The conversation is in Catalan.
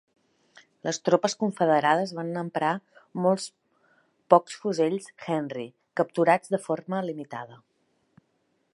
Les tropes confederades van emprar molt pocs fusells Henry capturats de forma limitada.